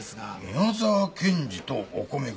宮沢賢治とお米か。